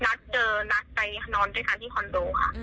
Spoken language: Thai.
นัดเจอนัดไปนอนด้วยกันที่คอนโดค่ะ